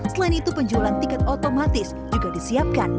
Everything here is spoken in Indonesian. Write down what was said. selain itu penjualan tiket otomatis juga disiapkan